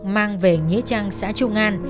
mang về nhế trang xã trung an